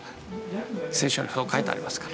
聖書にそう書いてありますから。